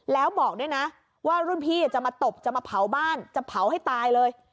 แล้วบอกด้วยนะว่ารุ่นพี่จะมาตบจะมาเผาบ้านจะเผาให้ตายเลย